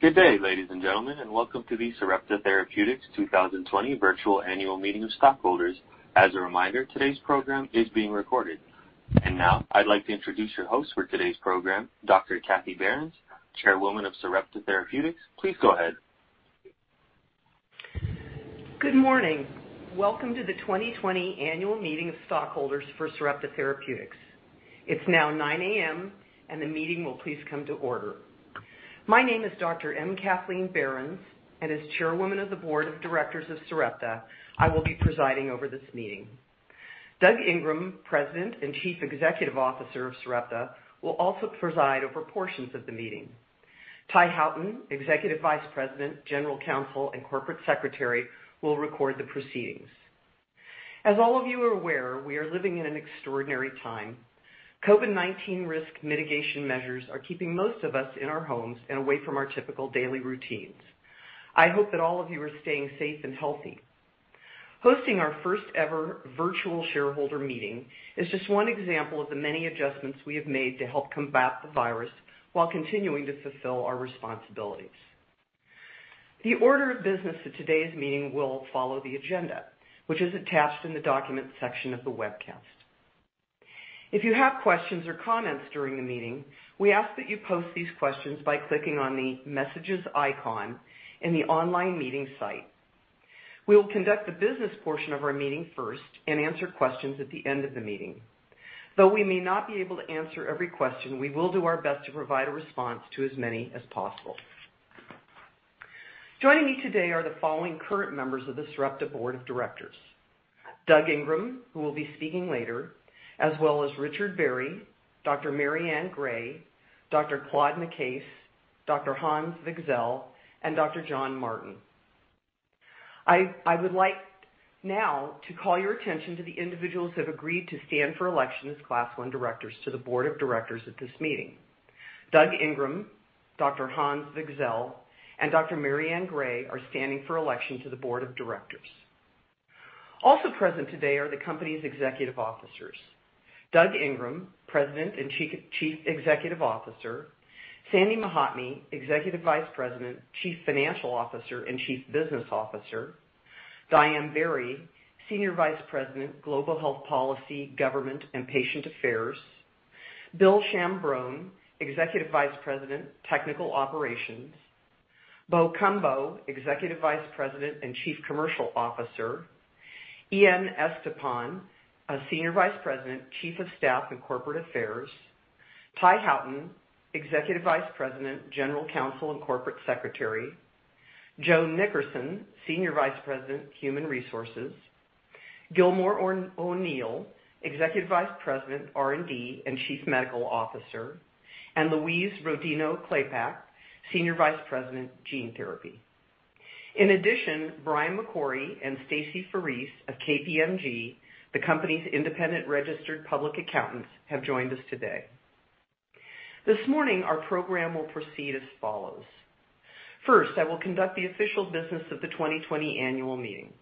Good day, ladies and gentlemen, and welcome to the Sarepta Therapeutics 2020 virtual annual meeting of stockholders. As a reminder, today's program is being recorded. Now I'd like to introduce your host for today's program, Dr. Kathy Behrens, Chairwoman of Sarepta Therapeutics. Please go ahead. Good morning. Welcome to the 2020 annual meeting of stockholders for Sarepta Therapeutics. It's now 9:00 A.M., and the meeting will please come to order. My name is Dr. M. Kathleen Behrens, and as Chairwoman of the Board of Directors of Sarepta, I will be presiding over this meeting. Doug Ingram, President and Chief Executive Officer of Sarepta, will also preside over portions of the meeting. Ty Howton, Executive Vice President, General Counsel, and Corporate Secretary, will record the proceedings. As all of you are aware, we are living in an extraordinary time. COVID-19 risk mitigation measures are keeping most of us in our homes and away from our typical daily routines. I hope that all of you are staying safe and healthy. Hosting our first ever virtual shareholder meeting is just one example of the many adjustments we have made to help combat the virus while continuing to fulfill our responsibilities. The order of business at today's meeting will follow the agenda, which is attached in the documents section of the webcast. If you have questions or comments during the meeting, we ask that you post these questions by clicking on the messages icon in the online meeting site. We will conduct the business portion of our meeting first and answer questions at the end of the meeting. Though we may not be able to answer every question, we will do our best to provide a response to as many as possible. Joining me today are the following current members of the Sarepta Board of Directors, Doug Ingram, who will be speaking later, as well as Richard Barry, Dr. Mary Ann Gray, Dr. Claude Nicaise, Dr. Hans Wigzell, and Dr. John Martin. I would like now to call your attention to the individuals who have agreed to stand for election as Class I Directors to the Board of Directors at this meeting. Doug Ingram, Dr. Hans Wigzell, and Dr. Mary Ann Gray are standing for election to the Board of Directors. Also present today are the company's executive officers, Doug Ingram, President and Chief Executive Officer; Sandy Mahatme, Executive Vice President, Chief Financial Officer, and Chief Business Officer; Diane Berry, Senior Vice President, Global Health Policy, Government, and Patient Affairs; Bill Ciambrone, Executive Vice President, Technical Operations; Bo Cumbo, Executive Vice President and Chief Commercial Officer; Ian Estepan, Senior Vice President, Chief of Staff and Corporate Affairs; Ty Howton, Executive Vice President, General Counsel, and Corporate Secretary; Joan Nickerson, Senior Vice President, Human Resources; Gilmore O'Neill, Executive Vice President, R&D, and Chief Medical Officer and Louise Rodino-Klapac, Senior Vice President, Gene Therapy. In addition, Brian McCrory and Stacey Farese of KPMG, the company's independent registered public accountants, have joined us today. This morning, our program will proceed as follows. First, I will conduct the official business of the 2020 annual meeting.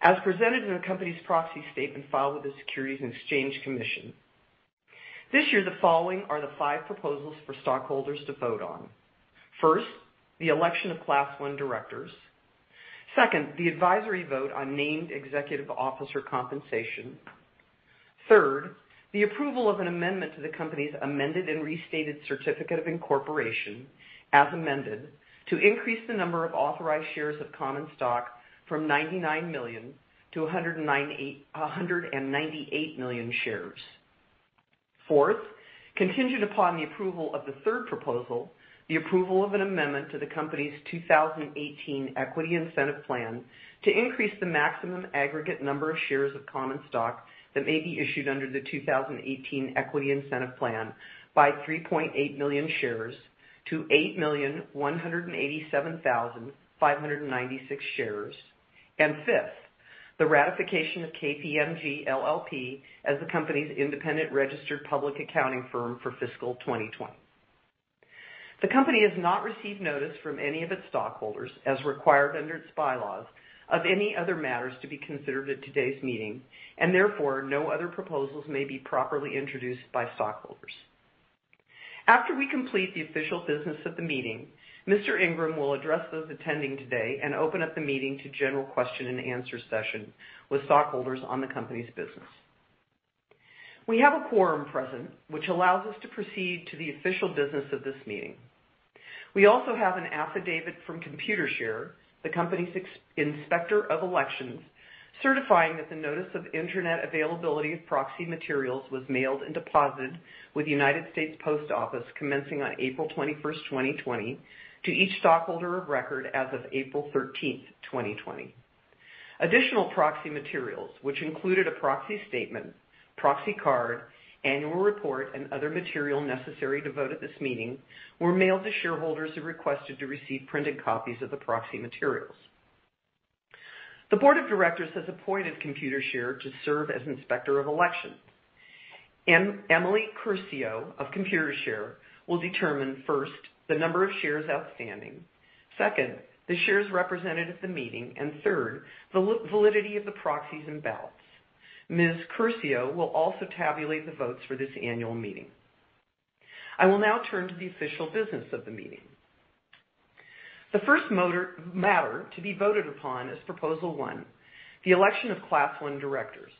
As presented in the company's proxy statement filed with the Securities and Exchange Commission. This year, the following are the five proposals for stockholders to vote on. First, the election of Class I directors. Second, the advisory vote on named executive officer compensation. Third, the approval of an amendment to the company's amended and restated certificate of incorporation, as amended, to increase the number of authorized shares of common stock from 99 million to 198 million shares. Fourth, contingent upon the approval of the third proposal, the approval of an amendment to the company's 2018 equity incentive plan to increase the maximum aggregate number of shares of common stock that may be issued under the 2018 Equity Incentive Plan by 3.8 million shares to 8,187,596 shares. Fifth, the ratification of KPMG LLP as the company's independent registered public accounting firm for fiscal 2020. The company has not received notice from any of its stockholders, as required under its bylaws, of any other matters to be considered at today's meeting, and therefore, no other proposals may be properly introduced by stockholders. After we complete the official business of the meeting, Mr. Ingram will address those attending today and open up the meeting to general question-and-answer session with stockholders on the company's business. We have a quorum present, which allows us to proceed to the official business of this meeting. We also have an affidavit from Computershare, the company's Inspector of Elections, certifying that the notice of internet availability of proxy materials was mailed and deposited with the United States Postal Service commencing on April 21st, 2020, to each stockholder of record as of April 13th, 2020. Additional proxy materials, which included a proxy statement, proxy card, annual report, and other material necessary to vote at this meeting, were mailed to shareholders who requested to receive printed copies of the proxy materials. The board of directors has appointed Computershare to serve as Inspector of Elections. Emily Curcio of Computershare will determine first, the number of shares outstanding, second, the shares represented at the meeting, and third, the validity of the proxies and ballots. Ms. Curcio will also tabulate the votes for this annual meeting. I will now turn to the official business of the meeting. The first matter to be voted upon is Proposal 1, the election of Class I directors.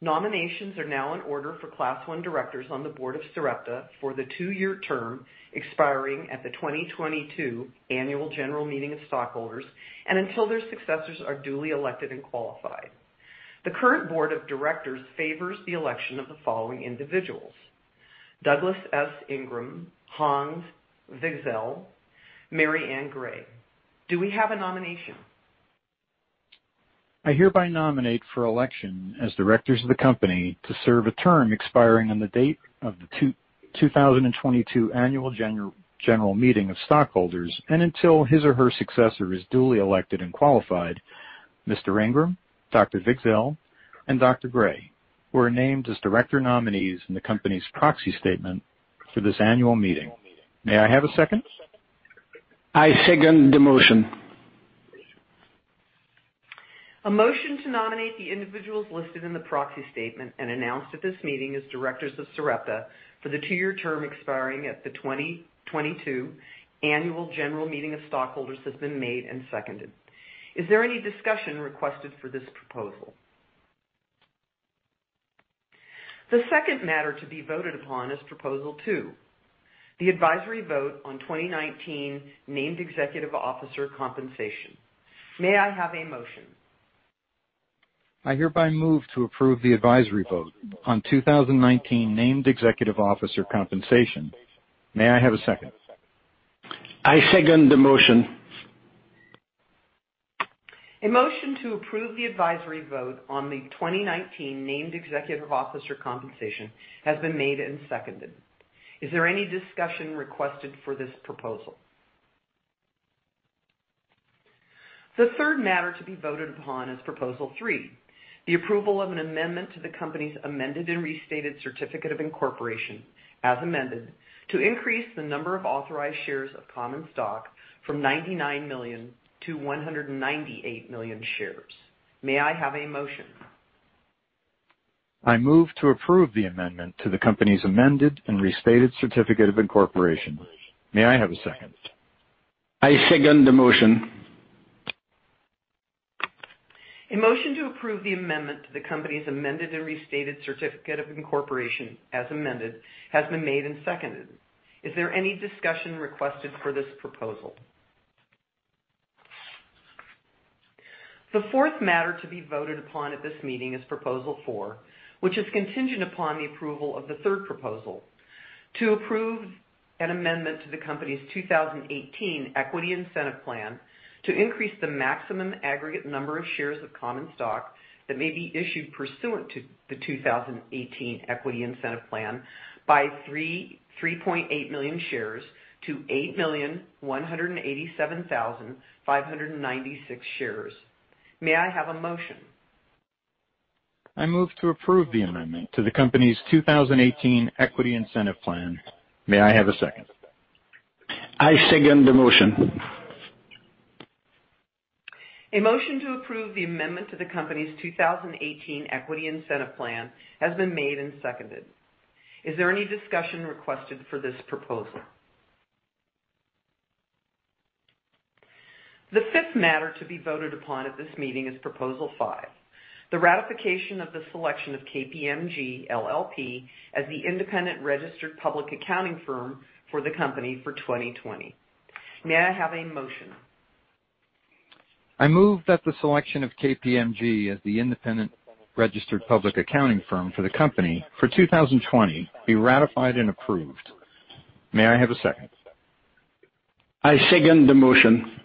Nominations are now in order for Class I directors on the board of Sarepta for the two-year term expiring at the 2022 Annual General Meeting of Stockholders and until their successors are duly elected and qualified. The current board of directors favors the election of the following individuals: Douglas S. Ingram, Hans Wigzell, Mary Ann Gray. Do we have a nomination? I hereby nominate for election as directors of the company to serve a term expiring on the date of the 2022 Annual General Meeting of Stockholders and until his or her successor is duly elected and qualified. Mr. Ingram, Dr. Wigzell, and Dr. Gray, who are named as director nominees in the company's proxy statement for this annual meeting. May I have a second? I second the motion. A motion to nominate the individuals listed in the proxy statement and announced at this meeting as directors of Sarepta for the two-year term expiring at the 2022 Annual General Meeting of Stockholders has been made and seconded. Is there any discussion requested for this proposal? The second matter to be voted upon is Proposal 2, the advisory vote on 2019 named executive officer compensation. May I have a motion? I hereby move to approve the advisory vote on 2019 named executive officer compensation. May I have a second? I second the motion. A motion to approve the advisory vote on the 2019 named executive officer compensation has been made and seconded. Is there any discussion requested for this proposal? The third matter to be voted upon is Proposal 3, the approval of an amendment to the company's amended and restated certificate of incorporation, as amended, to increase the number of authorized shares of common stock from 99 million to 198 million shares. May I have a motion? I move to approve the amendment to the company's amended and restated certificate of incorporation. May I have a second? I second the motion. A motion to approve the amendment to the company's amended and restated certificate of incorporation, as amended, has been made and seconded. Is there any discussion requested for this proposal? The fourth matter to be voted upon at this meeting is Proposal 4, which is contingent upon the approval of the third proposal to approve an amendment to the company's 2018 Equity Incentive Plan to increase the maximum aggregate number of shares of common stock that may be issued pursuant to the 2018 Equity Incentive Plan by 3.8 million shares to 8,187,596 shares. May I have a motion? I move to approve the amendment to the company's 2018 Equity Incentive Plan. May I have a second? I second the motion. A motion to approve the amendment to the company's 2018 equity incentive plan has been made and seconded. Is there any discussion requested for this proposal? The fifth matter to be voted upon at this meeting is Proposal 5, the ratification of the selection of KPMG LLP as the independent registered public accounting firm for the company for 2020. May I have a motion? I move that the selection of KPMG as the independent registered public accounting firm for the company for 2020 be ratified and approved. May I have a second? I second the motion.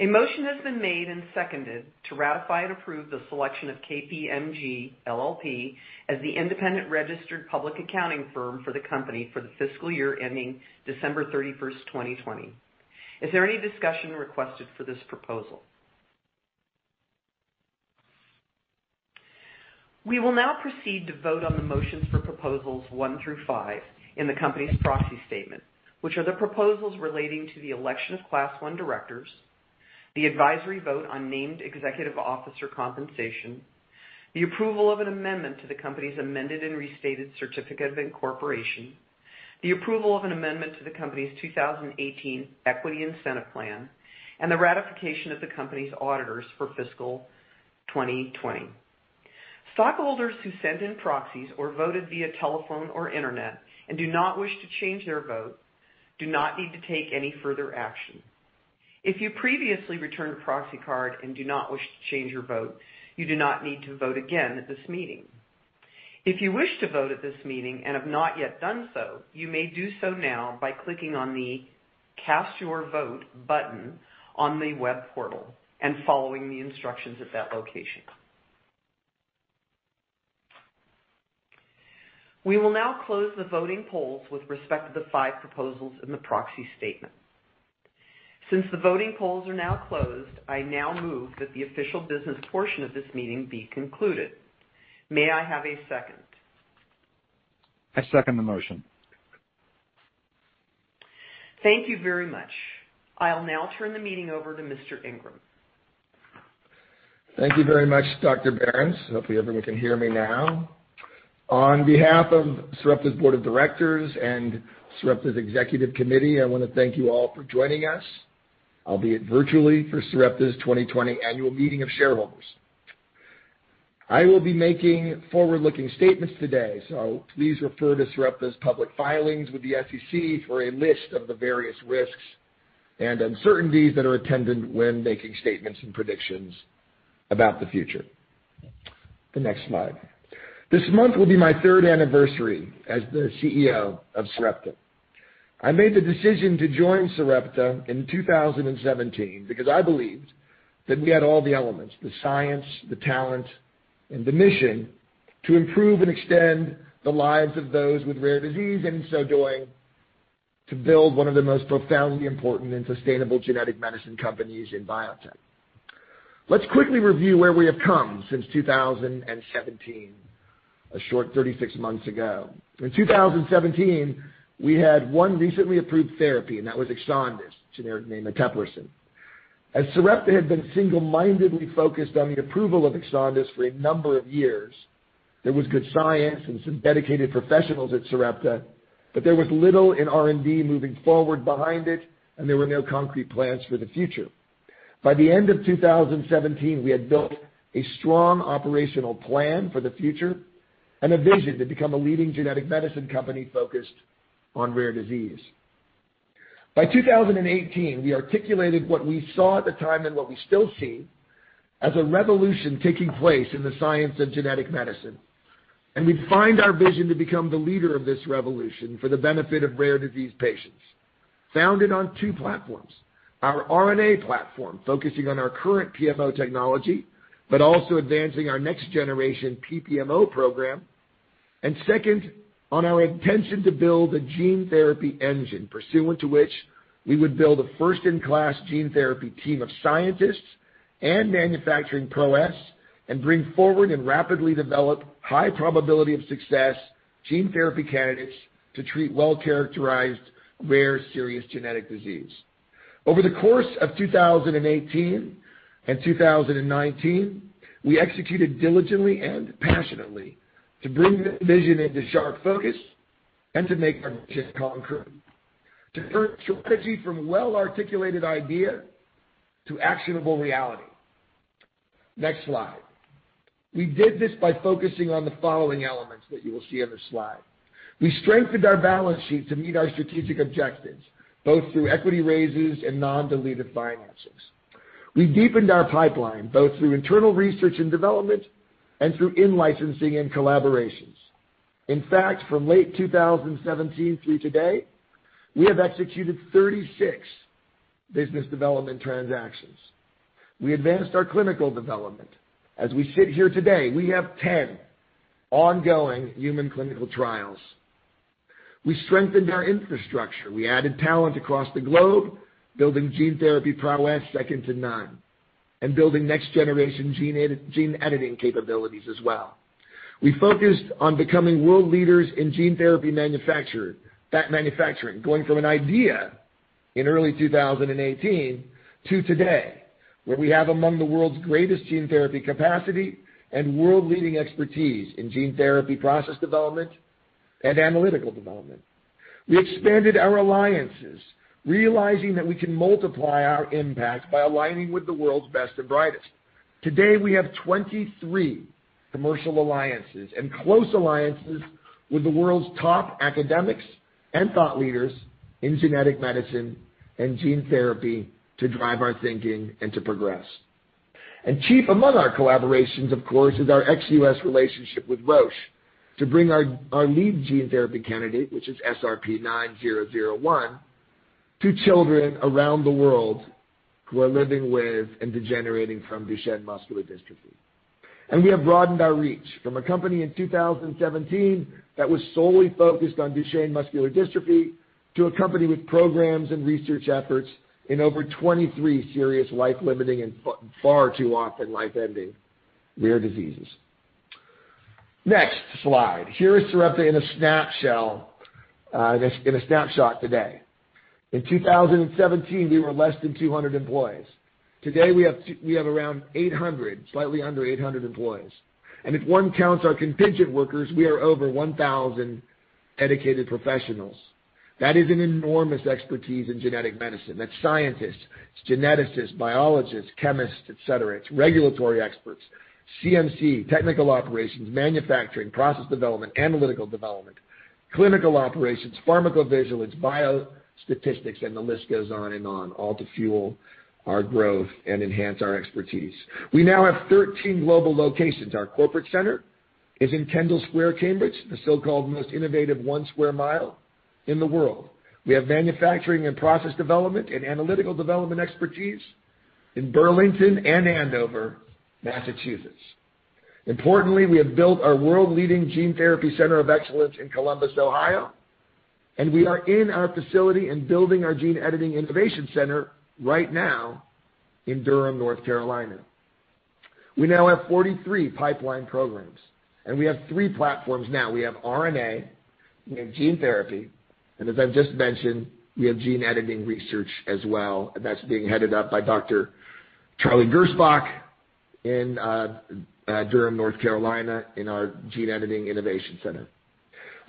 A motion has been made and seconded to ratify and approve the selection of KPMG LLP as the independent registered public accounting firm for the company for the fiscal year ending December 31st, 2020. Is there any discussion requested for this proposal? We will now proceed to vote on the motions for Proposals 1 through 5 in the company's proxy statement, which are the proposals relating to the election of Class I directors, the advisory vote on named executive officer compensation, the approval of an amendment to the company's amended and restated certificate of incorporation, the approval of an amendment to the company's 2018 Equity Incentive Plan, and the ratification of the company's auditors for fiscal 2020. Stockholders who sent in proxies or voted via telephone or internet and do not wish to change their vote do not need to take any further action. If you previously returned a proxy card and do not wish to change your vote, you do not need to vote again at this meeting. If you wish to vote at this meeting and have not yet done so, you may do so now by clicking on the Cast Your Vote button on the web portal and following the instructions at that location. We will now close the voting polls with respect to the five proposals in the proxy statement. Since the voting polls are now closed, I now move that the official business portion of this meeting be concluded. May I have a second? I second the motion. Thank you very much. I'll now turn the meeting over to Mr. Ingram. Thank you very much, Dr. Behrens. Hopefully, everyone can hear me now. On behalf of Sarepta's board of directors and Sarepta's executive committee, I want to thank you all for joining us, albeit virtually, for Sarepta's 2020 annual meeting of shareholders. I will be making forward-looking statements today, so please refer to Sarepta's public filings with the SEC for a list of the various risks and uncertainties that are attendant when making statements and predictions about the future. The next slide. This month will be my third anniversary as the CEO of Sarepta. I made the decision to join Sarepta in 2017 because I believed that we had all the elements, the science, the talent, and the mission to improve and extend the lives of those with rare disease, and in so doing, to build one of the most profoundly important and sustainable genetic medicine companies in biotech. Let's quickly review where we have come since 2017, a short 36 months ago. In 2017, we had one recently approved therapy. That was Exondys, generic name eteplirsen. As Sarepta had been single-mindedly focused on the approval of Exondys for a number of years, there was good science and some dedicated professionals at Sarepta, but there was little in R&D moving forward behind it, and there were no concrete plans for the future. By the end of 2017, we had built a strong operational plan for the future and a vision to become a leading genetic medicine company focused on rare disease. By 2018, we articulated what we saw at the time and what we still see as a revolution taking place in the science of genetic medicine. We find our vision to become the leader of this revolution for the benefit of rare disease patients, founded on two platforms. Our RNA platform, focusing on our current PMO technology, but also advancing our next-generation PPMO program. Second, on our intention to build a gene therapy engine, pursuant to which we would build a first-in-class gene therapy team of scientists and manufacturing prowess and bring forward and rapidly develop high probability of success gene therapy candidates to treat well-characterized, rare, serious genetic disease. Over the course of 2018 and 2019, we executed diligently and passionately to bring vision into sharp focus and to make our mission concrete. To turn strategy from well-articulated idea to actionable reality. Next slide. We did this by focusing on the following elements that you will see on the slide. We strengthened our balance sheet to meet our strategic objectives, both through equity raises and non-dilutive financings. We deepened our pipeline, both through internal research and development and through in-licensing and collaborations. In fact, from late 2017 through today, we have executed 36 business development transactions. We advanced our clinical development. As we sit here today, we have 10 ongoing human clinical trials. We strengthened our infrastructure. We added talent across the globe, building gene therapy prowess second to none, and building next-generation gene editing capabilities as well. We focused on becoming world leaders in gene therapy manufacturing, going from an idea in early 2018 to today, where we have among the world's greatest gene therapy capacity and world-leading expertise in gene therapy process development and analytical development. We expanded our alliances, realizing that we can multiply our impact by aligning with the world's best and brightest. Today, we have 23 commercial alliances and close alliances with the world's top academics and thought leaders in genetic medicine and gene therapy to drive our thinking and to progress. Chief among our collaborations, of course, is our ex-US relationship with Roche to bring our lead gene therapy candidate, which is SRP-9001, to children around the world who are living with and degenerating from Duchenne Muscular Dystrophy. We have broadened our reach from a company in 2017 that was solely focused on Duchenne Muscular Dystrophy to a company with programs and research efforts in over 23 serious life-limiting and far too often life-ending rare diseases. Next slide. Here is Sarepta in a snapshot today. In 2017, we were less than 200 employees. Today, we have around 800, slightly under 800 employees. If one counts our contingent workers, we are over 1,000 dedicated professionals. That is an enormous expertise in genetic medicine. That's scientists, it's geneticists, biologists, chemists, et cetera. It's regulatory experts, CMC, technical operations, manufacturing, process development, analytical development, clinical operations, pharmacovigilance, biostatistics, and the list goes on and on, all to fuel our growth and enhance our expertise. We now have 13 global locations. Our corporate center is in Kendall Square, Cambridge, the so-called most innovative one square mile in the world. We have manufacturing and process development and analytical development expertise in Burlington and Andover, Massachusetts. Importantly, we have built our world-leading gene therapy center of excellence in Columbus, Ohio, and we are in our facility and building our gene editing innovation center right now in Durham, North Carolina. We now have 43 pipeline programs. We have three platforms now. We have RNA, we have gene therapy, and as I've just mentioned, we have gene editing research as well, that's being headed up by Dr. Charlie Gersbach in Durham, North Carolina, in our gene editing innovation center.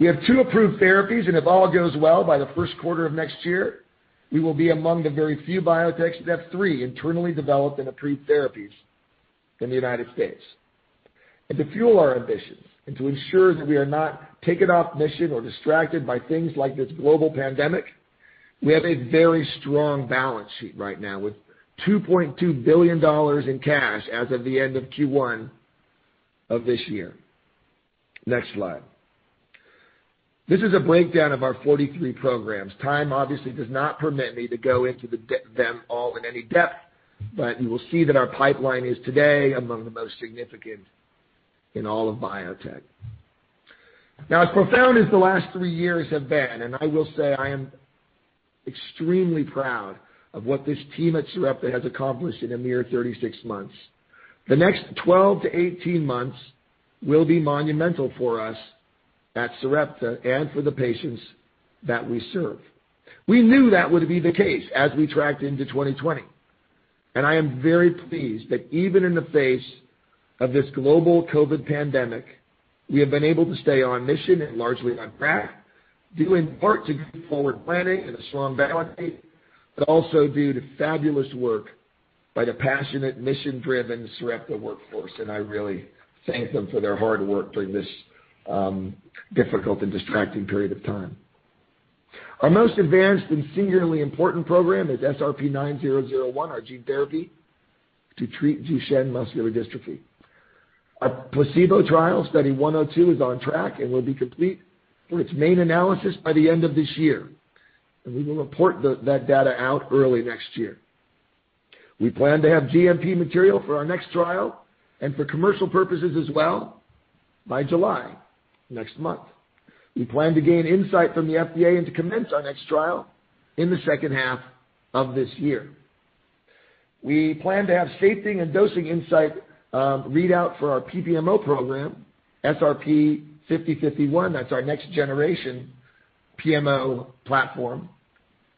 We have two approved therapies, if all goes well, by the first quarter of next year, we will be among the very few biotechs that have three internally developed and approved therapies in the United States. To fuel our ambitions and to ensure that we are not taken off mission or distracted by things like this global pandemic, we have a very strong balance sheet right now with $2.2 billion in cash as of the end of Q1 of this year. Next slide. This is a breakdown of our 43 programs. Time obviously does not permit me to go into them all in any depth, but you will see that our pipeline is today among the most significant in all of biotech. Now, as profound as the last three years have been, and I will say I am extremely proud of what this team at Sarepta has accomplished in a mere 36 months. The next 12-18 months will be monumental for us at Sarepta and for the patients that we serve. We knew that would be the case as we tracked into 2020, and I am very pleased that even in the face of this global COVID pandemic, we have been able to stay on mission and largely on track, due in part to good forward planning and a strong balance sheet, but also due to fabulous work by the passionate, mission-driven Sarepta workforce, and I really thank them for their hard work during this difficult and distracting period of time. Our most advanced and singularly important program is SRP-9001, our gene therapy to treat Duchenne Muscular Dystrophy. Our placebo trial, Study 102, is on track and will be complete for its main analysis by the end of this year. We will report that data out early next year. We plan to have GMP material for our next trial and for commercial purposes as well by July, next month. We plan to gain insight from the FDA and to commence our next trial in the second half of this year. We plan to have safety and dosing insight readout for our PPMO program, SRP-5051, that's our next generation PMO platform,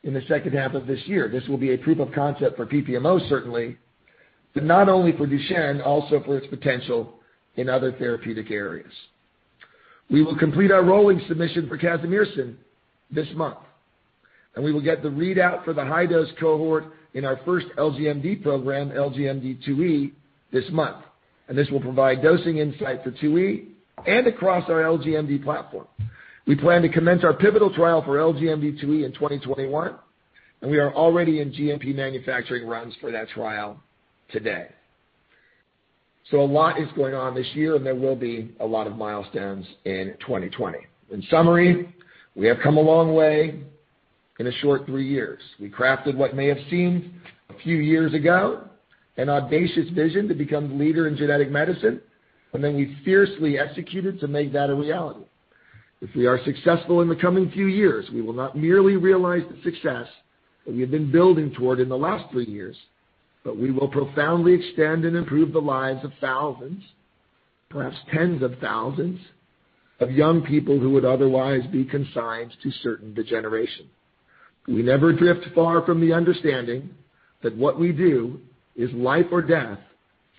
in the second half of this year. This will be a proof of concept for PPMO certainly, but not only for Duchenne, also for its potential in other therapeutic areas. We will complete our rolling submission for casimersen this month. We will get the readout for the high-dose cohort in our first LGMD program, LGMD2E, this month. This will provide dosing insight for 2E and across our LGMD platform. We plan to commence our pivotal trial for LGMD2E in 2021, and we are already in GMP manufacturing runs for that trial today. A lot is going on this year, and there will be a lot of milestones in 2020. In summary, we have come a long way in a short three years. We crafted what may have seemed, a few years ago, an audacious vision to become the leader in genetic medicine, and then we fiercely executed to make that a reality. If we are successful in the coming few years, we will not merely realize the success that we have been building toward in the last three years, but we will profoundly extend and improve the lives of thousands, perhaps tens of thousands, of young people who would otherwise be consigned to certain degeneration. We never drift far from the understanding that what we do is life or death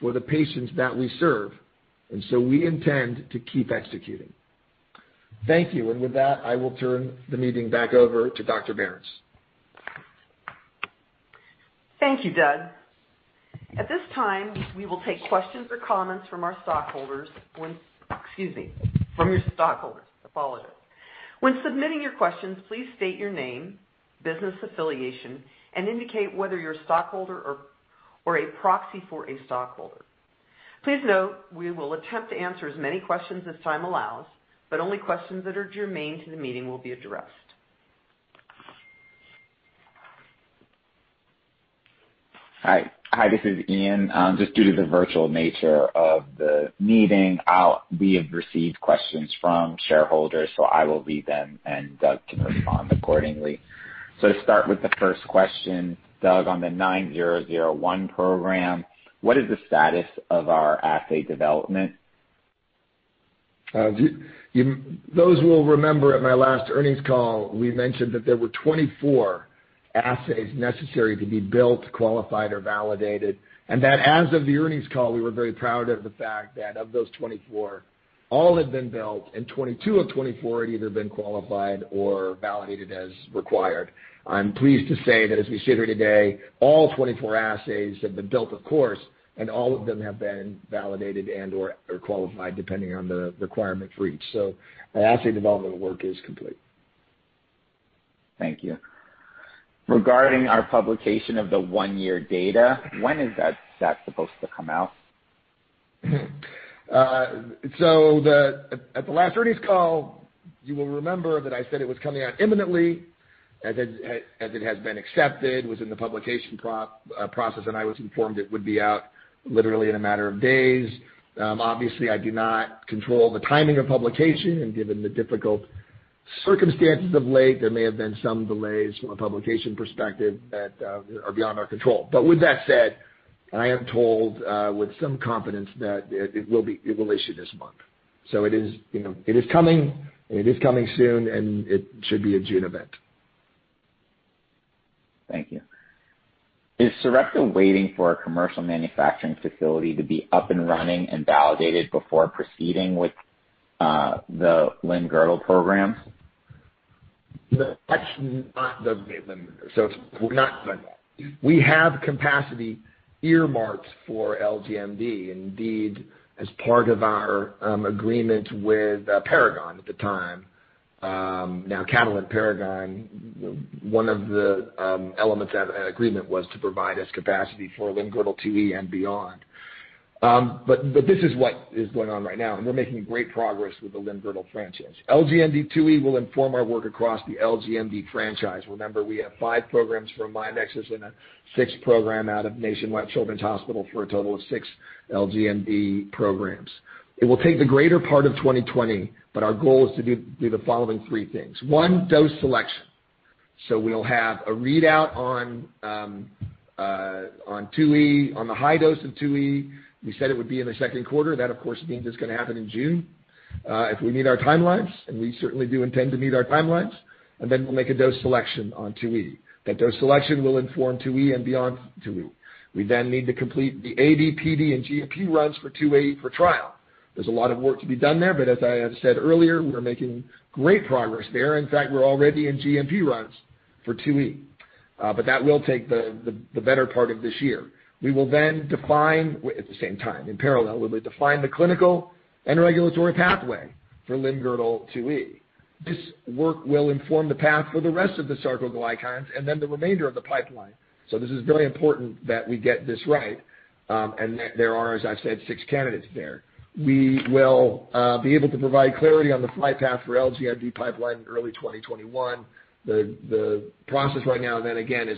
for the patients that we serve, and so we intend to keep executing. Thank you. With that, I will turn the meeting back over to Dr. Behrens. Thank you, Doug. At this time, we will take questions or comments from our stockholders when Excuse me, from your stockholders. Apologies. When submitting your questions, please state your name, business affiliation and indicate whether you're a stockholder or a proxy for a stockholder. Please note, we will attempt to answer as many questions as time allows, but only questions that are germane to the meeting will be addressed. Hi, this is Ian. Due to the virtual nature of the meeting, we have received questions from shareholders, I will read them, and Doug can respond accordingly. To start with the first question, Doug, on the 9001 program, what is the status of our assay development? Those will remember at my last earnings call, we mentioned that there were 24 assays necessary to be built, qualified, or validated, and that as of the earnings call, we were very proud of the fact that of those 24, all had been built, and 22 of 24 had either been qualified or validated as required. I'm pleased to say that as we sit here today, all 24 assays have been built, of course, and all of them have been validated and/or qualified, depending on the requirement for each. The assay development work is complete. Thank you. Regarding our publication of the one-year data, when is that supposed to come out? At the last earnings call, you will remember that I said it was coming out imminently. As it has been accepted, was in the publication process, and I was informed it would be out literally in a matter of days. Obviously, I do not control the timing of publication, and given the difficult circumstances of late, there may have been some delays from a publication perspective that are beyond our control. With that said, I am told with some confidence that it will issue this month. It is coming, and it is coming soon, and it should be a June event. Thank you. Is Sarepta waiting for a commercial manufacturing facility to be up and running and validated before proceeding with the limb-girdle programs? That's not the limitator. We're not doing that. We have capacity earmarked for LGMD. Indeed, as part of our agreement with Paragon at the time, now Catalent Paragon, one of the elements of that agreement was to provide us capacity for limb-girdle 2E and beyond. This is what is going on right now, and we're making great progress with the limb-girdle franchise. LGMD2E will inform our work across the LGMD franchise. Remember, we have five programs from Myonexus and a sixth program out of Nationwide Children's Hospital for a total of six LGMD programs. It will take the greater part of 2020, our goal is to do the following three things. One, dose selection. We'll have a readout on 2E, on the high dose of 2E. We said it would be in the second quarter. That, of course, means it's going to happen in June. If we meet our timelines, we certainly do intend to meet our timelines, we'll make a dose selection on 2E. That dose selection will inform 2E and beyond 2E. We need to complete the AD, PD, and GMP runs for 2A for trial. There's a lot of work to be done there, as I have said earlier, we're making great progress there. In fact, we're already in GMP runs for 2E. That will take the better part of this year. We will define at the same time, in parallel, we'll define the clinical and regulatory pathway for limb-girdle 2E. This work will inform the path for the rest of the sarcoglycans, the remainder of the pipeline. This is very important that we get this right, there are, as I've said, six candidates there. We will be able to provide clarity on the flight path for LGMD pipeline in early 2021. The process right now then again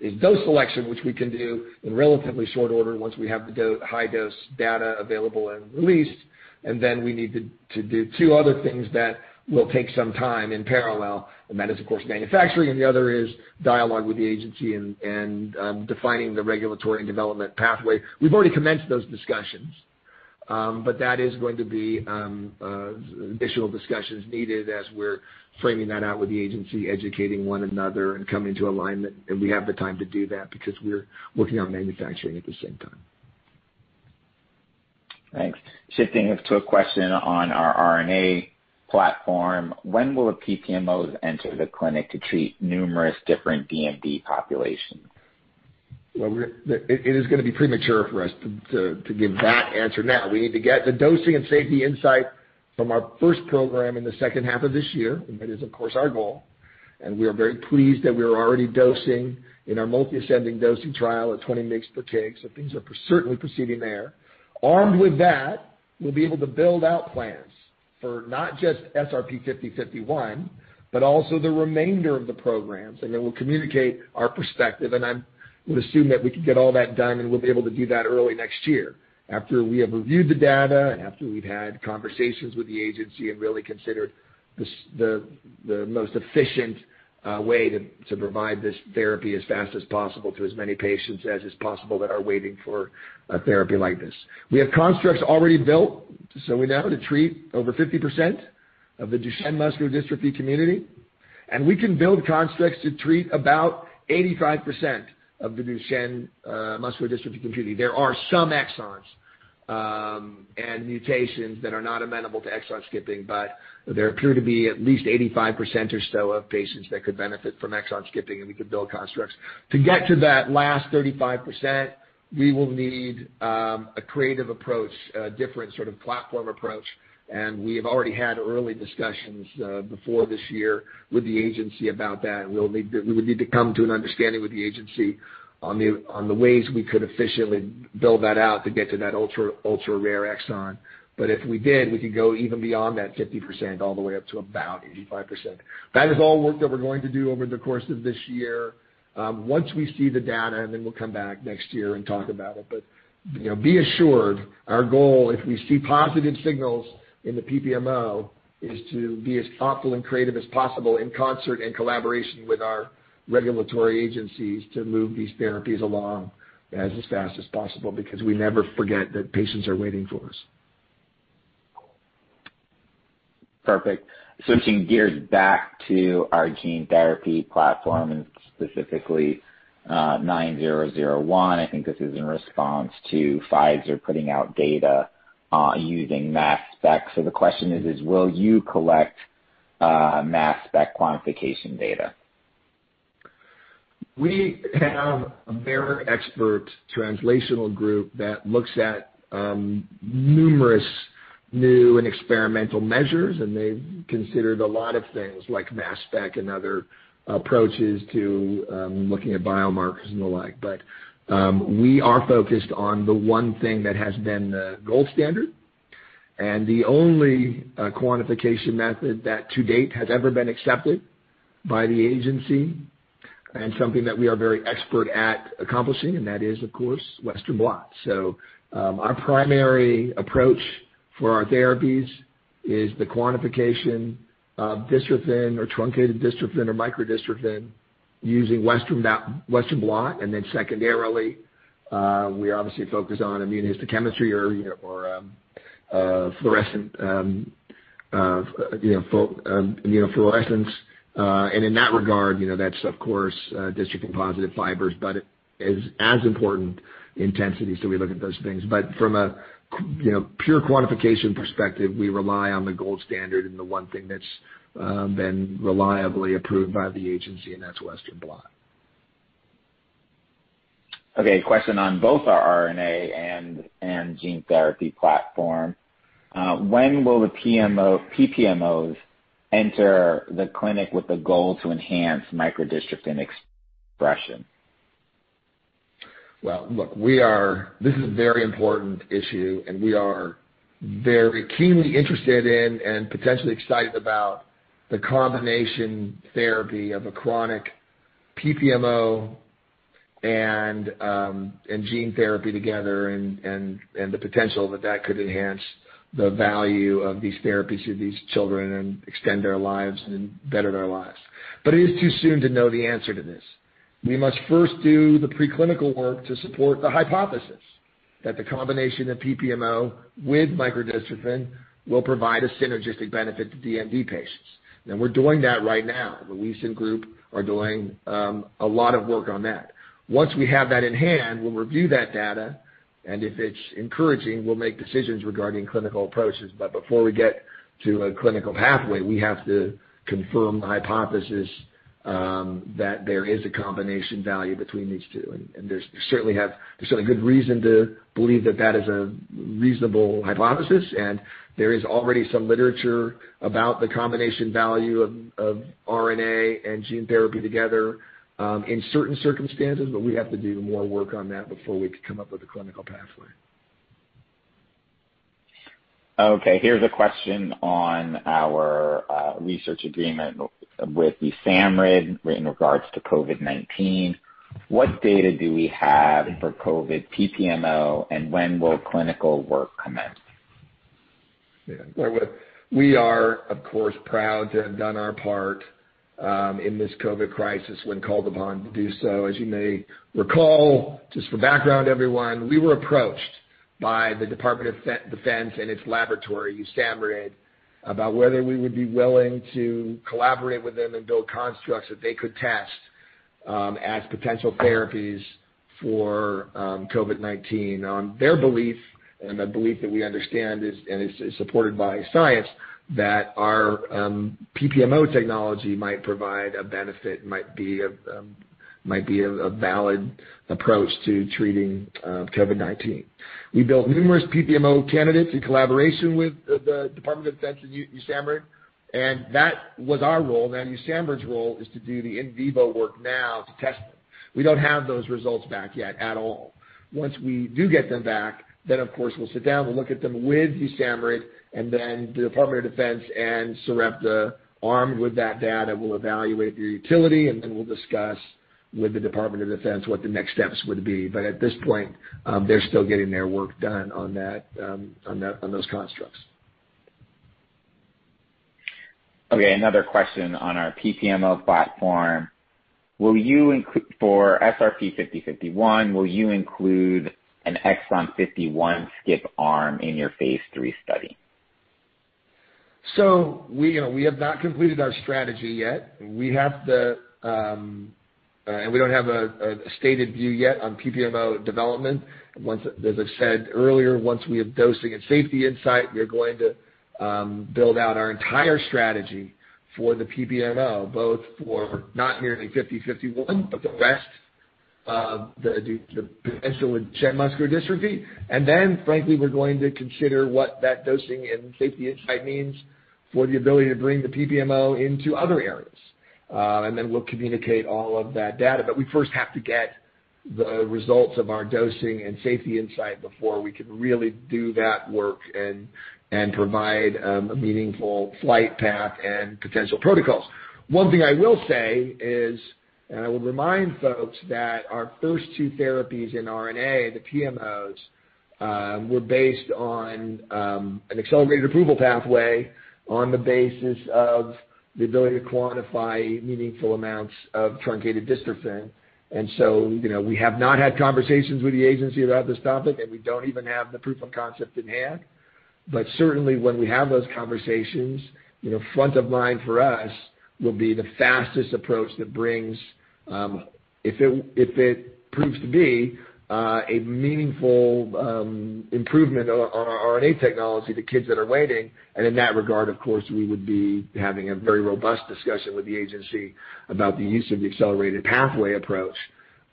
is dose selection, which we can do in relatively short order once we have the high dose data available and released, and then we need to do two other things that will take some time in parallel, and that is, of course, manufacturing, and the other is dialogue with the agency and defining the regulatory development pathway. We've already commenced those discussions. That is going to be additional discussions needed as we're framing that out with the agency, educating one another, and coming to alignment, and we have the time to do that because we're working on manufacturing at the same time. Thanks. Shifting to a question on our RNA platform, when will PPMOs enter the clinic to treat numerous different DMD populations? Well, it is going to be premature for us to give that answer now. We need to get the dosing and safety insight from our first program in the second half of this year. That is, of course, our goal, and we are very pleased that we are already dosing in our multi-ascending dosing trial at 20 mg per kg, so things are certainly proceeding there. Armed with that, we'll be able to build out plans for not just SRP-5051, but also the remainder of the programs, and then we'll communicate our perspective. I would assume that we could get all that done, and we'll be able to do that early next year after we have reviewed the data and after we've had conversations with the agency and really considered the most efficient way to provide this therapy as fast as possible to as many patients as is possible that are waiting for a therapy like this. We have constructs already built to be able to treat over 50% of the Duchenne Muscular Dystrophy community, and we can build constructs to treat about 85% of the Duchenne Muscular Dystrophy community. There are some exons and mutations that are not amenable to exon skipping, but there appear to be at least 85% or so of patients that could benefit from exon skipping, and we could build constructs. To get to that last 35%, we will need a creative approach, a different sort of platform approach, and we have already had early discussions before this year with the agency about that. We would need to come to an understanding with the agency on the ways we could efficiently build that out to get to that ultra rare exon. If we did, we could go even beyond that 50% all the way up to about 85%. That is all work that we're going to do over the course of this year. Once we see the data, we'll come back next year and talk about it. Be assured, our goal, if we see positive signals in the PPMO, is to be as thoughtful and creative as possible in concert and collaboration with our regulatory agencies to move these therapies along as fast as possible because we never forget that patients are waiting for us. Perfect. Switching gears back to our gene therapy platform and specifically 9001, I think this is in response to Pfizer are putting out data using mass spec. The question is: Will you collect mass spec quantification data? We have a very expert translational group that looks at numerous new and experimental measures, and they've considered a lot of things like mass spec and other approaches to looking at biomarkers and the like. We are focused on the one thing that has been the gold standard and the only quantification method that to date has ever been accepted by the agency and something that we are very expert at accomplishing, and that is of course, Western blot. Our primary approach for our therapies is the quantification of dystrophin or truncated dystrophin or micro-dystrophin using Western blot. Secondarily, we obviously focus on immunohistochemistry or fluorescence. In that regard, that's of course, dystrophin-positive fibers, but is as important intensity, we look at those things. From a pure quantification perspective, we rely on the gold standard and the one thing that's been reliably approved by the agency, and that's Western blot. A question on both our RNA and gene therapy platform. When will the PPMOs enter the clinic with the goal to enhance micro-dystrophin expression? Well, look, this is a very important issue, and we are very keenly interested in and potentially excited about the combination therapy of a chronic PPMO and gene therapy together and the potential that that could enhance the value of these therapies to these children and extend their lives and better their lives. It is too soon to know the answer to this. We must first do the preclinical work to support the hypothesis that the combination of PPMO with micro-dystrophin will provide a synergistic benefit to DMD patients. We're doing that right now. The Louise's group are doing a lot of work on that. Once we have that in hand, we'll review that data, and if it's encouraging, we'll make decisions regarding clinical approaches. Before we get to a clinical pathway, we have to confirm the hypothesis that there is a combination value between these two. There's certainly good reason to believe that that is a reasonable hypothesis, and there is already some literature about the combination value of RNA and gene therapy together in certain circumstances, but we have to do more work on that before we can come up with a clinical pathway. Okay, here's a question on our research agreement with USAMRIID in regards to COVID-19. What data do we have for COVID PPMO, and when will clinical work commence? Yeah. We are, of course, proud to have done our part in this COVID crisis when called upon to do so. As you may recall, just for background, everyone, we were approached by the Department of Defense and its laboratory, USAMRIID, about whether we would be willing to collaborate with them and build constructs that they could test as potential therapies for COVID-19. Their belief, and a belief that we understand and is supported by science, that our PPMO technology might provide a benefit, might be a valid approach to treating COVID-19. We built numerous PPMO candidates in collaboration with the Department of Defense and USAMRIID, and that was our role. Now USAMRIID's role is to do the in vivo work now to test them. We don't have those results back yet at all. Once we do get them back, then, of course, we'll sit down, we'll look at them with USAMRIID, and then the Department of Defense and Sarepta, armed with that data, will evaluate the utility, and then we'll discuss with the Department of Defense what the next steps would be. At this point, they're still getting their work done on those constructs. Okay, another question on our PPMO platform. For SRP-5051, will you include an exon 51 skip arm in your phase III study? We have not completed our strategy yet. We don't have a stated view yet on PPMO development. As I said earlier, once we have dosing and safety insight, we are going to build out our entire strategy for the PPMO, both for not merely 5051, but the rest of the potential with Duchenne Muscular Dystrophy. Frankly, we're going to consider what that dosing and safety insight means for the ability to bring the PPMO into other areas. We'll communicate all of that data. We first have to get the results of our dosing and safety insight before we can really do that work and provide a meaningful flight path and potential protocols. One thing I will say is, I will remind folks that our first two therapies in RNA, the PMOs, were based on an accelerated approval pathway on the basis of the ability to quantify meaningful amounts of truncated dystrophin. We have not had conversations with the agency about this topic, and we don't even have the proof of concept in hand. Certainly when we have those conversations, front of mind for us will be the fastest approach that brings, if it proves to be, a meaningful improvement on our RNA technology to kids that are waiting. In that regard, of course, we would be having a very robust discussion with the agency about the use of the accelerated pathway approach,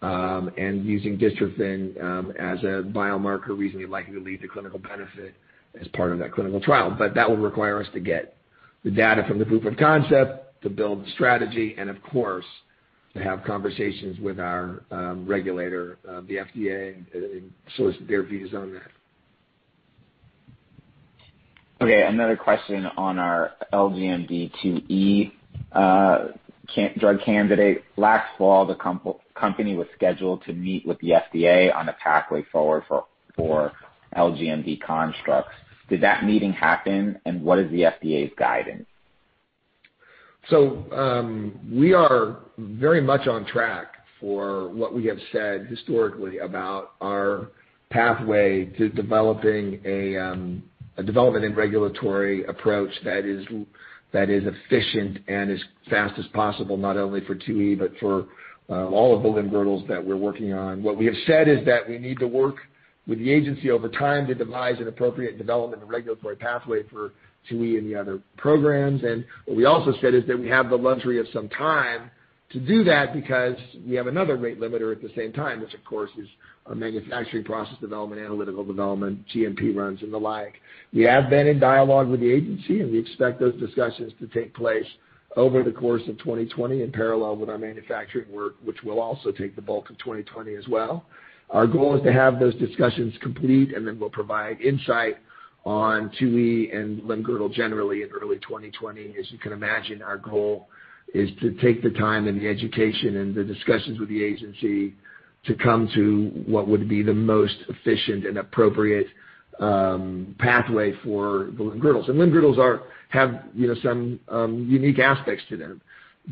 and using dystrophin as a biomarker reasonably likely to lead to clinical benefit as part of that clinical trial. That will require us to get the data from the proof of concept to build the strategy, and of course to have conversations with our regulator, the FDA, and solicit their views on that. Okay, another question on our LGMD2E drug candidate. Last fall, the company was scheduled to meet with the FDA on a pathway forward for LGMD constructs. Did that meeting happen, and what is the FDA's guidance? We are very much on track for what we have said historically about our pathway to developing a development and regulatory approach that is efficient and as fast as possible, not only for 2E, but for all of the limb-girdles that we're working on. What we have said is that we need to work with the agency over time to devise an appropriate development and regulatory pathway for 2E and the other programs. What we also said is that we have the luxury of some time to do that because we have another rate limiter at the same time, which, of course, is our manufacturing process development, analytical development, GMP runs, and the like. We have been in dialogue with the agency, and we expect those discussions to take place over the course of 2020 in parallel with our manufacturing work, which will also take the bulk of 2020 as well. Our goal is to have those discussions complete, and then we'll provide insight on 2E and limb-girdle generally in early 2020. As you can imagine, our goal is to take the time and the education and the discussions with the agency to come to what would be the most efficient and appropriate pathway for limb-girdles. limb-girdles have some unique aspects to them.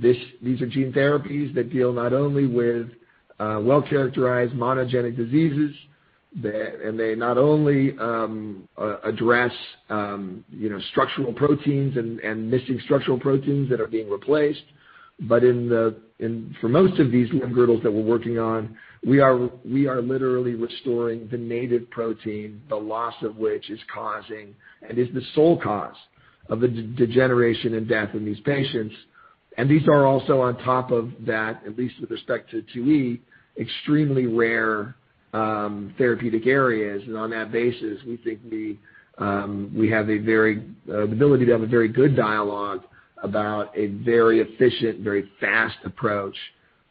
These are gene therapies that deal not only with well-characterized monogenic diseases, and they not only address structural proteins and missing structural proteins that are being replaced, but for most of these limb-girdles that we're working on, we are literally restoring the native protein, the loss of which is causing and is the sole cause of the degeneration and death in these patients. These are also on top of that, at least with respect to 2E, extremely rare therapeutic areas. On that basis, we think we have the ability to have a very good dialogue about a very efficient, very fast approach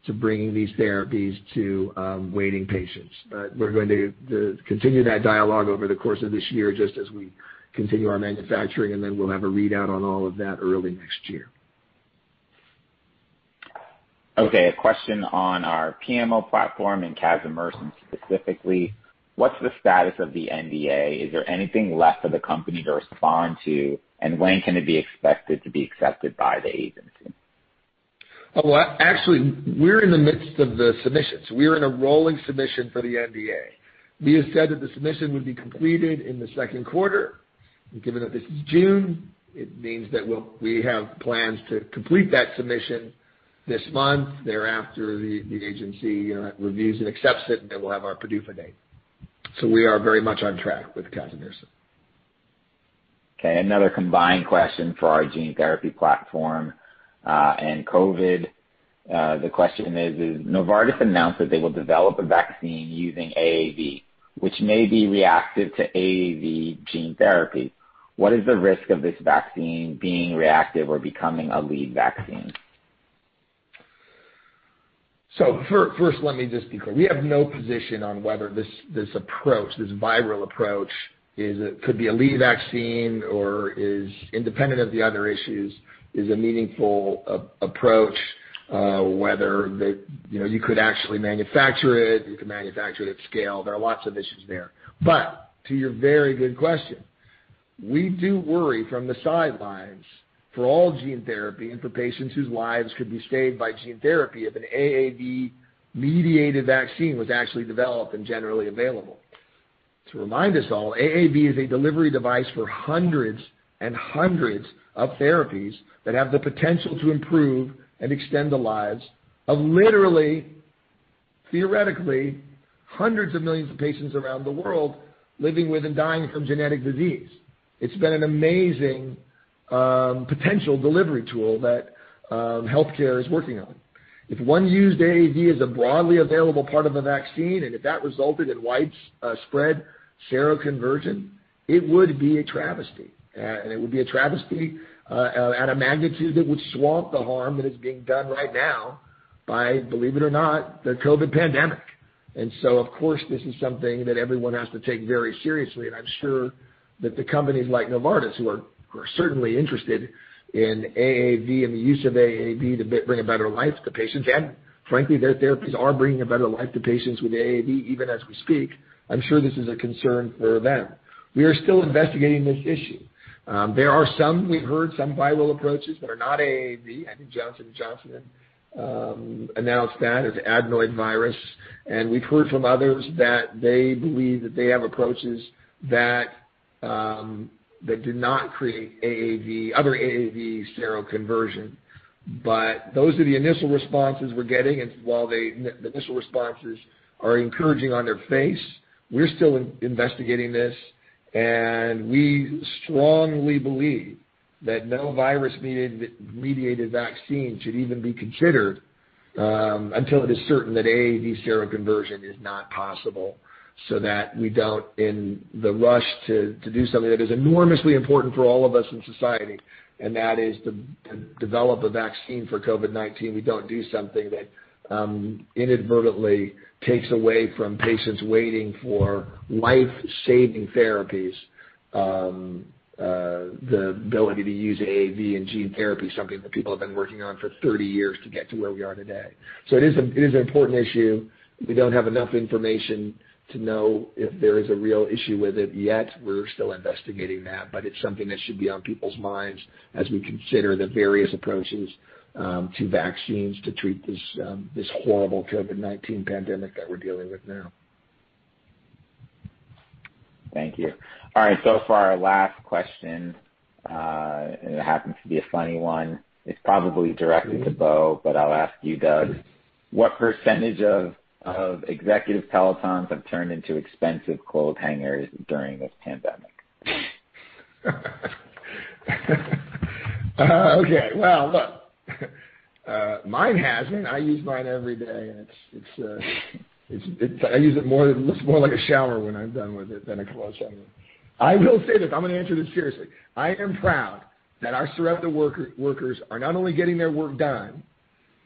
to bringing these therapies to waiting patients. We're going to continue that dialogue over the course of this year, just as we continue our manufacturing, and then we'll have a readout on all of that early next year. Okay, a question on our PMO platform and casimersen specifically. What's the status of the NDA? Is there anything left for the company to respond to, and when can it be expected to be accepted by the agency? Well, actually, we're in the midst of the submissions. We're in a rolling submission for the NDA. We have said that the submission would be completed in the second quarter. Given that this is June, it means that we have plans to complete that submission this month. Thereafter, the agency reviews and accepts it, and then we'll have our PDUFA date. We are very much on track with casimersen. Okay, another combined question for our gene therapy platform and COVID. The question is, Novartis announced that they will develop a vaccine using AAV, which may be reactive to AAV gene therapy. What is the risk of this vaccine being reactive or becoming a lead vaccine? First, let me just be clear. We have no position on whether this approach, this viral approach could be a lead vaccine or is independent of the other issues, is a meaningful approach, whether you could actually manufacture it, you could manufacture it at scale. There are lots of issues there. To your very good question, we do worry from the sidelines for all gene therapy and for patients whose lives could be saved by gene therapy if an AAV-mediated vaccine was actually developed and generally available. To remind us all, AAV is a delivery device for hundreds and hundreds of therapies that have the potential to improve and extend the lives of literally, theoretically, hundreds of millions of patients around the world living with and dying from genetic disease. It's been an amazing potential delivery tool that healthcare is working on. If one used AAV as a broadly available part of a vaccine, and if that resulted in widespread seroconversion, it would be a travesty. It would be a travesty at a magnitude that would swamp the harm that is being done right now by, believe it or not, the COVID-19 pandemic. Of course, this is something that everyone has to take very seriously, and I'm sure that the companies like Novartis, who are certainly interested in AAV and the use of AAV to bring a better life to patients, and frankly, their therapies are bringing a better life to patients with AAV, even as we speak. I'm sure this is a concern for them. We are still investigating this issue. We've heard some viral approaches that are not AAV. I think Johnson & Johnson announced that as adenovirus. We've heard from others that they believe that they have approaches that do not create other AAV seroconversion. Those are the initial responses we're getting, and while the initial responses are encouraging on their face, we're still investigating this, and we strongly believe that no virus-mediated vaccine should even be considered until it is certain that AAV seroconversion is not possible, so that we don't, in the rush to do something that is enormously important for all of us in society, and that is to develop a vaccine for COVID-19, we don't do something that inadvertently takes away from patients waiting for life-saving therapies, the ability to use AAV and gene therapy, something that people have been working on for 30 years to get to where we are today. It is an important issue. We don't have enough information to know if there is a real issue with it yet. We're still investigating that, but it's something that should be on people's minds as we consider the various approaches to vaccines to treat this horrible COVID-19 pandemic that we're dealing with now. Thank you. All right. For our last question, and it happens to be a funny one. It's probably directed to Bo, but I'll ask you, Doug. What percentage of executive Pelotons have turned into expensive coat hangers during this pandemic? Okay. Well, look. Mine hasn't. I use mine every day, and it looks more like a shower when I'm done with it than a coat hanger. I will say this. I'm going to answer this seriously. I am proud that our Sarepta workers are not only getting their work done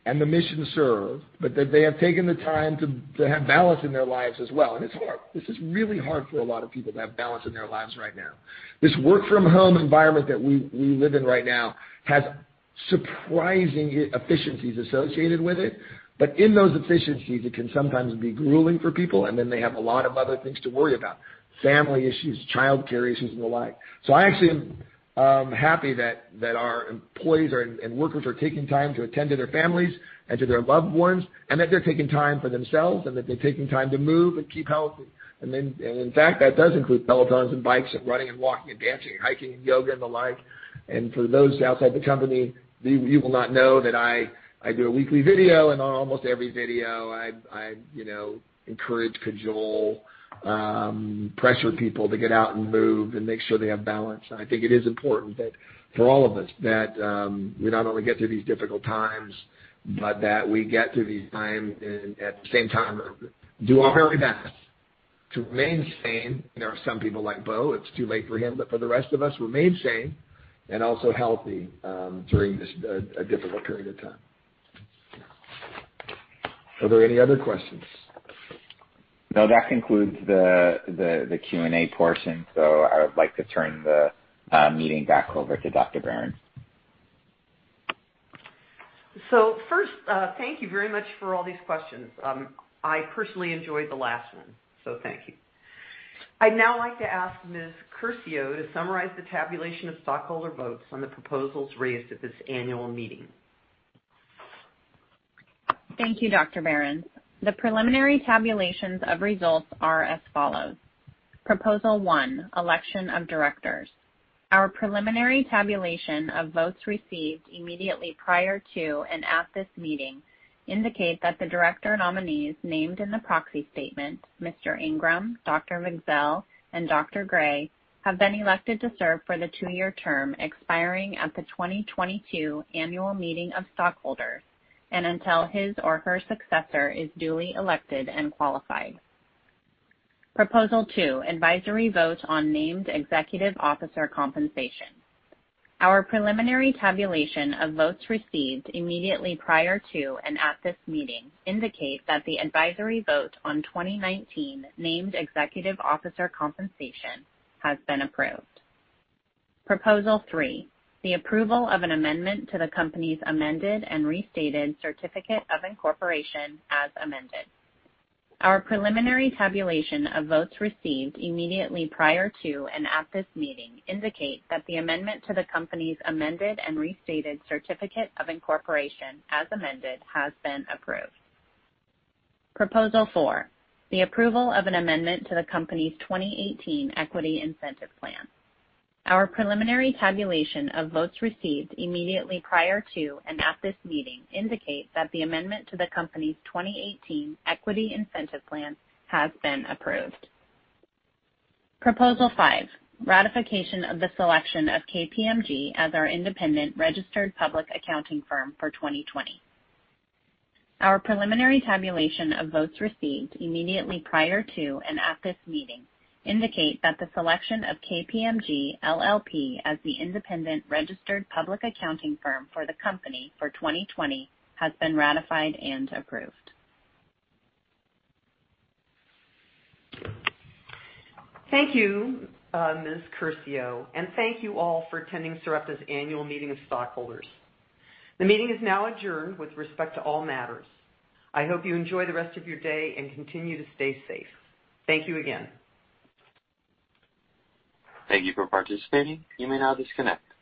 and the mission served, but that they have taken the time to have balance in their lives as well. It's hard. This is really hard for a lot of people to have balance in their lives right now. This work from home environment that we live in right now has surprising efficiencies associated with it. In those efficiencies, it can sometimes be grueling for people, and then they have a lot of other things to worry about, family issues, childcare issues, and the like. I actually am happy that our employees and workers are taking time to attend to their families and to their loved ones, and that they're taking time for themselves, and that they're taking time to move and keep healthy. In fact, that does include Pelotons and bikes and running and walking and dancing and hiking and yoga and the like. For those outside the company, you will not know that I do a weekly video, and on almost every video, I encourage, cajole, pressure people to get out and move and make sure they have balance. I think it is important that for all of us, that we not only get through these difficult times, but that we get through these times and at the same time do our very best to remain sane. There are some people like Bo, it's too late for him. For the rest of us, remain sane and also healthy during this difficult period of time. Are there any other questions? No, that concludes the Q&A portion. I would like to turn the meeting back over to Dr. Behrens. First, thank you very much for all these questions. I personally enjoyed the last one, thank you. I'd now like to ask Ms. Curcio to summarize the tabulation of stockholder votes on the proposals raised at this annual meeting. Thank you, Dr. Behrens. The preliminary tabulations of results are as follows. Proposal 1, election of directors. Our preliminary tabulation of votes received immediately prior to and at this meeting indicate that the director nominees named in the proxy statement, Mr. Ingram, Dr. Wigzell, and Dr. Gray, have been elected to serve for the two-year term expiring at the 2022 annual meeting of stockholders and until his or her successor is duly elected and qualified. Proposal 2, advisory vote on named executive officer compensation. Our preliminary tabulation of votes received immediately prior to and at this meeting indicate that the advisory vote on 2019 named executive officer compensation has been approved. Proposal 3, the approval of an amendment to the company's amended and restated certificate of incorporation as amended. Our preliminary tabulation of votes received immediately prior to and at this meeting indicate that the amendment to the company's amended and restated certificate of incorporation as amended has been approved. Proposal 4, the approval of an amendment to the company's 2018 Equity Incentive Plan. Our preliminary tabulation of votes received immediately prior to and at this meeting indicate that the amendment to the company's 2018 equity incentive plan has been approved. Proposal 5, ratification of the selection of KPMG as our independent registered public accounting firm for 2020. Our preliminary tabulation of votes received immediately prior to and at this meeting indicate that the selection of KPMG LLP as the independent registered public accounting firm for the company for 2020 has been ratified and approved. Thank you, Ms. Curcio, and thank you all for attending Sarepta's annual meeting of stockholders. The meeting is now adjourned with respect to all matters. I hope you enjoy the rest of your day and continue to stay safe. Thank you again. Thank you for participating. You may now disconnect.